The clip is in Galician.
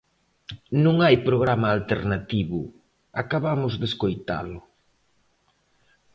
Non hai programa alternativo, acabamos de escoitalo.